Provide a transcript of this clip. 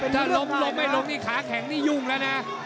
ถ้าล้มไหลไม่ลงขาแข่งนี่ยุ่งเท่าน๊า